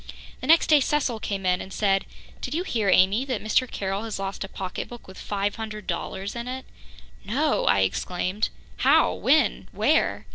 The next day Cecil came in and said: "Did you hear, Amy, that Mr. Carroll has lost a pocketbook with five hundred dollars in it?" "No!" I exclaimed. "How? When? Where?"